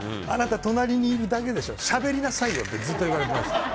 あなた、隣にいるだけでしょしゃべりなさいよ！ってずっと言われてました。